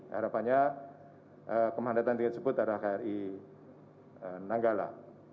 harapannya kemahannya tanya tinggi tersebut adalah kri nanggala